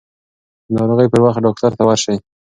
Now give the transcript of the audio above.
د ناروغۍ پر وخت ډاکټر ته ورشئ.